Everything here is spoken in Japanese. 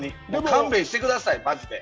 勘弁してください、マジで。